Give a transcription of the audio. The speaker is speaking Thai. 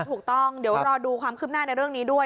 ถูกต้องเดี๋ยวรอดูความคืบหน้าในเรื่องนี้ด้วย